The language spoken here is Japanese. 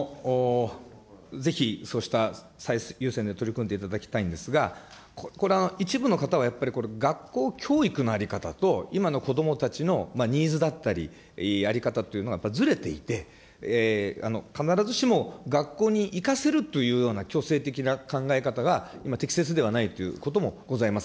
ぜひ、そうした最優先で取り組んでいただきたいんですが、これ、一部の方はやっぱりこれ、学校教育の在り方と、今の子どもたちのニーズだったり在り方というのはやっぱりずれていて、必ずしも学校に行かせるというような強制的な考え方が今、適切ではないということもございます。